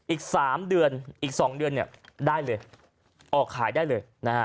อีก๓เดือนอีก๒เดือนได้เลยออกขายได้เลยนะฮะ